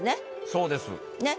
そうですね。